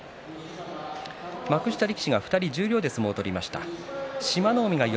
幕下力士が２人十両で相撲を取りました。